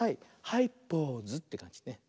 「はいポーズ」ってかんじね。